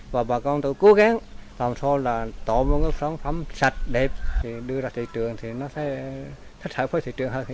và bà con cũng cố gắng tổng số là tổng số sản phẩm sạch đẹp đưa ra thị trường thì nó sẽ thích hợp với thị trường hơn